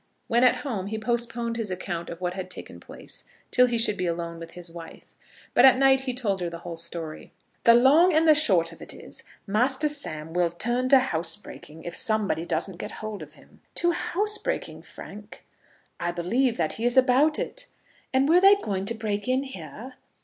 When at home he postponed his account of what had taken place till he should be alone with his wife; but at night he told her the whole story. "The long and the short of it is, Master Sam will turn to housebreaking, if somebody doesn't get hold of him." "To housebreaking, Frank?" "I believe that he is about it." "And were they going to break in here?"